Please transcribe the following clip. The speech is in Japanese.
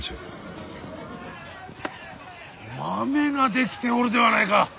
マメが出来ておるではないか。